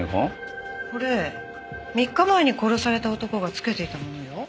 これ３日前に殺された男が着けていたものよ。